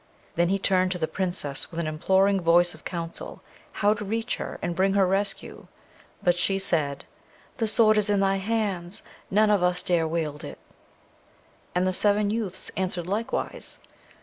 Then he turned to the Princess, with an imploring voice for counsel how to reach her and bring her rescue; but she said, 'The Sword is in thy hands, none of us dare wield it'; and the seven youths answered likewise.